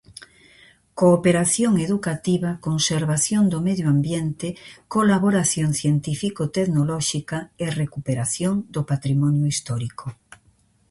Cooperación educativa, conservación do medio ambiente, colaboración científico-tecnolóxica e recuperación do patrimonio histórico.